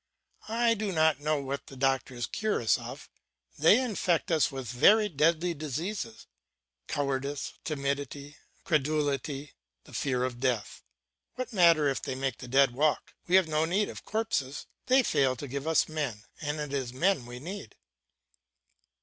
I do not know what the doctors cure us of, but I know this: they infect us with very deadly diseases, cowardice, timidity, credulity, the fear of death. What matter if they make the dead walk, we have no need of corpses; they fail to give us men, and it is men we need.